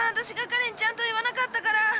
私が彼にちゃんと言わなかったから。